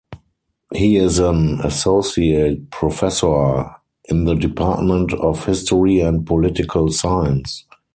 He is an associate professor in the department of History and Political Science.